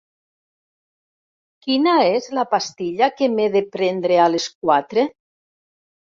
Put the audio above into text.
Quina és la pastilla que m'he de prendre a les quatre?